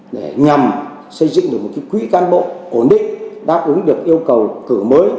để nhằm xây dựng được một quỹ cán bộ ổn định đáp ứng được yêu cầu cử mới